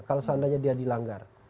kalau seandainya dia dilanggar